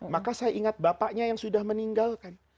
maka saya ingat bapaknya yang sudah meninggal kan